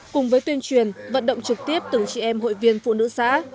cùng với tuyên truyền vận động trực tiếp từng chị em hội viên phụ nữ xã